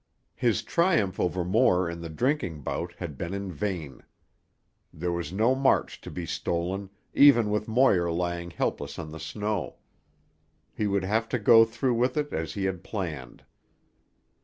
His triumph over Moir in the drinking bout had been in vain. There was no march to be stolen, even with Moir lying helpless on the snow. He would have to go through with it as he had planned.